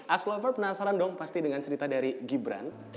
aslover penasaran dong pasti dengan cerita dari gibran